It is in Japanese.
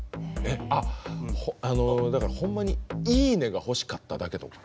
あっだからほんまに「いいね」が欲しかっただけとか？